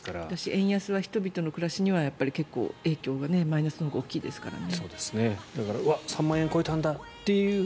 円安は人々の暮らしにはマイナスのほうが大きいですからね。